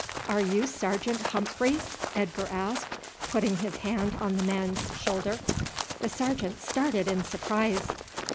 "Are you Sergeant Humphreys?" Edgar asked, putting his hand on the man's shoulder. The sergeant started in surprise.